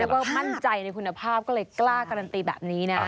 แล้วก็มั่นใจในคุณภาพก็เลยกล้าการันตีแบบนี้นะ